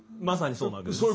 まさにそうなわけです。